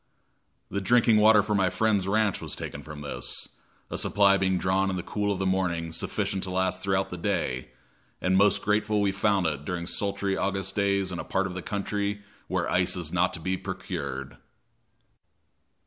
The drinking water for my friend's ranch was taken from this, a supply being drawn in the cool of the morning sufficient to last throughout the day, and most grateful we found it during sultry August days in a part of the country where ice is not to be procured.